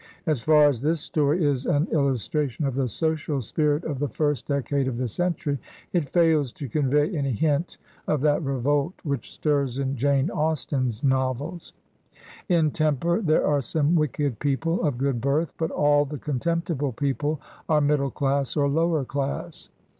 As far as this story is an illustration of the social spirit of the first decade of the century, it fails to convey any hint of that revolt which stirs in Jane Austen's novels. In ''Temper" there are some wicked people of good birth; but all the contemptible people are middle class or lower class.